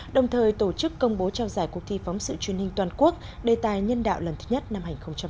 đồng thời tổ chức công bố trao giải cuộc thi phóng sự truyền hình toàn quốc đề tài nhân đạo lần thứ nhất năm hai nghìn một mươi chín